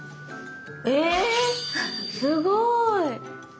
えすごい！